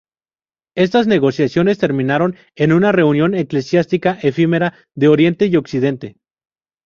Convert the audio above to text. Estas negociaciones terminaron en una reunión eclesiástica efímera de Oriente y Occidente.